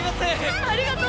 ありがとう！